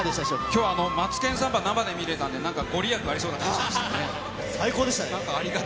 きょうはマツケンサンバ生で見れたんで、なんかご利益ありそ最高でしたね。